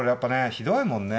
ひどいもんね。